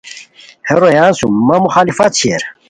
ہے رویان سوم مہ مخالفت شیر